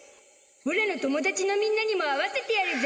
オラの友達のみんなにも会わせてやるゾ。